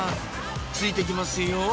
ついてきますよ